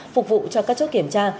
phục vụ cho các chốt kiểm tra